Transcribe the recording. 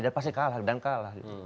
dia pasti kalah dan kalah